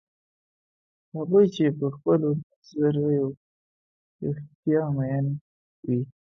هغوی چې په خپلو نظریو رښتیا میین وي.